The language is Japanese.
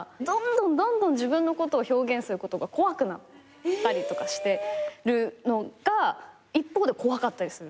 どんどん自分を表現することが怖くなったりしてるのが一方で怖かったりする。